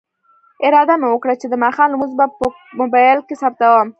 اراده مې وکړه چې د ماښام لمونځ به په موبایل کې ثبتوم.